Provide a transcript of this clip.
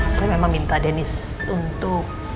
saya memang minta denis untuk